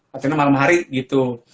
latihan malem hari gitu